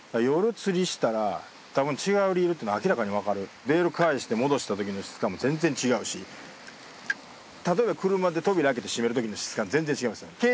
夜釣りしたらたぶん違うリールっていうの明らかにわかるレール返して戻したときの質感も全然違うし例えば車で扉開けて閉めるときの質感全然違いますよ